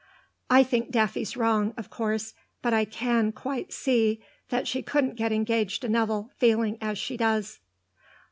I think Daffy's wrong, of course, but I can quite see that she couldn't get engaged to Nevill feeling as she does."